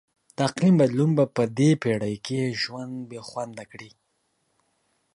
د اقلیم بدلون به په دې پیړۍ کې ژوند بیخونده کړي.